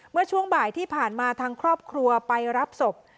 เมื่อช่วงบ่ายที่ผ่านมาทางครอบครัวไปรับศพ